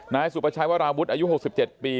นายสุประชัยวราวุฒิอายุ๖๗ปี